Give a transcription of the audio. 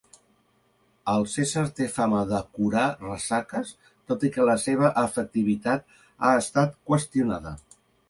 El Caesar té fama de curar ressaques, tot i que la seva efectivitat ha estat qüestionada.